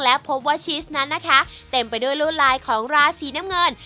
และพบว่าชีสนั้นนะคะเต็มไปด้วยลวดลายของราศีน้ำเงิน